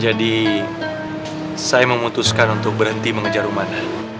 jadi saya memutuskan untuk berhenti mengejar rumana